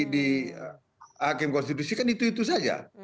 di hakim konstitusi kan itu itu saja